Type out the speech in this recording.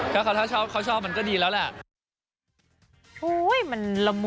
ไม่ได้ซีเรียสอะไรครับ